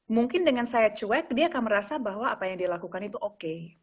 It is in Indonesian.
mungkin dengan saya cuek dia akan merasa bahwa apa yang dia lakukan itu oke